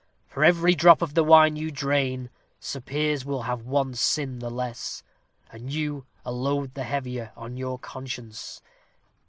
For every drop of the wine you drain, Sir Piers will have one sin the less, and you a load the heavier on your conscience.